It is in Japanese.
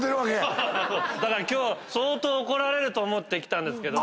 今日は相当怒られると思って来たんですけど。